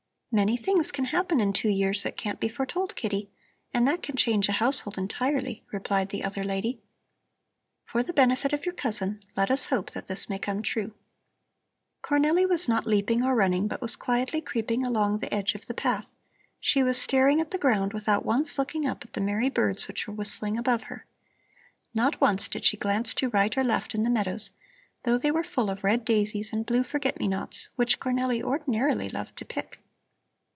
"Many things can happen in two years that can't be foretold, Kitty, and that can change a household entirely," replied the other lady. "For the benefit of your cousin let us hope that this may come true." Cornelli was not leaping or running, but was quietly creeping along the edge of the path. She was staring at the ground, without once looking up at the merry birds which were whistling above her. Not once did she glance to right or left in the meadows, though they were full of red daisies and blue forget me nots which Cornelli ordinarily loved to pick.